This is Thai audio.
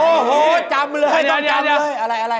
โอ้โฮจำเลยไม่ต้องจำเลยอะไร